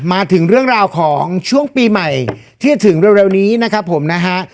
มาถึงเรื่องราวของช่วงปีใหม่ที่จะถึงเร็วนี้นะครับผมนะฮะ